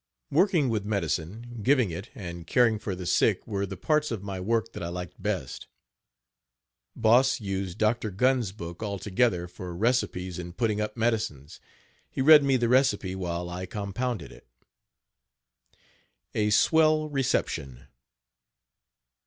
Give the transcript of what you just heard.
Working with medicine, giving it and caring for the sick were the parts of my work that I liked best. Boss used Dr. Gunn's book altogether for recipes in putting up medicines. He read me the recipe, while I compounded it. A SWELL RECEPTION.